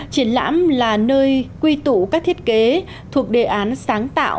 triển lãm là nơi quy tụ các thiết kế thuộc đề án sáng tạo